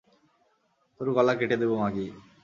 তোর গলা কেটে দেবো, মাগী।